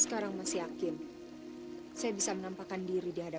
sekarang saatnya aku akan mengusnahkan kau